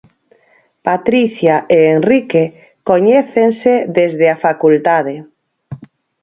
Patricia e Enrique coñécense desde a facultade.